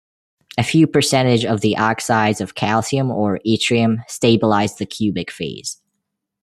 A few percentage of the oxides of calcium or yttrium stabilize the cubic phase.